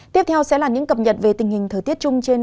tiếp theo sẽ là những cập nhật về tình hình thời tiết chung trên